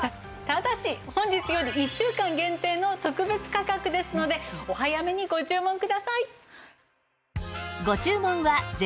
ただし本日より１週間限定の特別価格ですのでお早めにご注文ください！